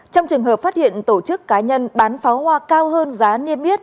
trong trường hợp phát hiện tổ chức cá nhân bán pháo hoa cao hơn giá niêm yết